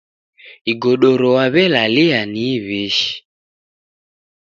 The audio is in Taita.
Igodoro w'aw'elalia ni iw'ishi.